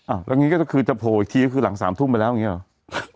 อ้าวแล้วนี่ก็คือจะโผล่อีกทีก็คือหลัง๓ทุ่มไปแล้วอย่างนี้หรือ